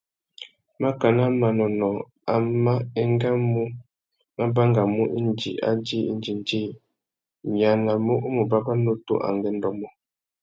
Mákànà manônôh amá engamú mà bangamú indi a djï indjindjï, nʼyānamú u mù bàbà nutu angüêndô mô.